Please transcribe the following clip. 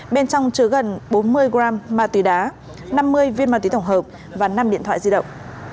bên trong chứa gần bốn mươi g ma túy đá năm mươi viên ma túy tổng hợp và năm điện thoại di động